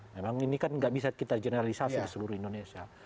memang ini kan nggak bisa kita generalisasi di seluruh indonesia